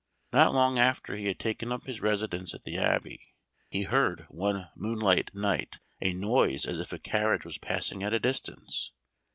Not long after he had taken up his residence at the Abbey, he heard one moonlight night a noise as if a carriage was passing at a distance.